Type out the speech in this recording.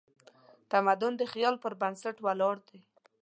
تمدن د خیال پر بنسټ ولاړ دی.